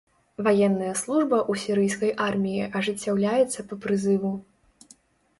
Ваенная служба ў сірыйскай арміі ажыццяўляецца па прызыву.